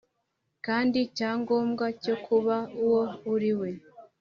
kandi cya ngombwa cyo kuba uwo uriwe.